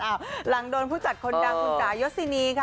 อ้าวหลังโดนผู้จัดคนนางคุณจ๋ายศินีย์ค่ะ